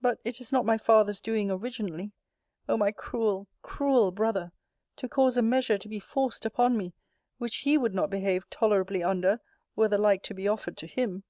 But it is not my father's doing originally. O my cruel, cruel brother, to cause a measure to be forced upon me, which he would not behave tolerably under, were the like to be offered to him!